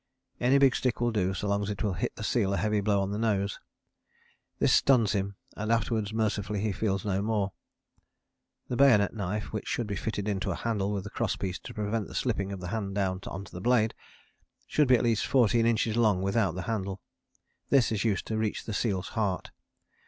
Any big stick will do, so long as it will hit the seal a heavy blow on the nose: this stuns him and afterwards mercifully he feels no more. The bayonet knife (which should be fitted into a handle with a cross piece to prevent the slipping of the hand down on to the blade) should be at least 14 inches long without the handle; this is used to reach the seal's heart.